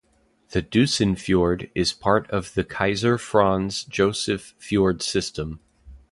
The Dusen Fjord is part of the Kaiser Franz Joseph Fjord system.